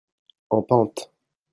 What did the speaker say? en pente.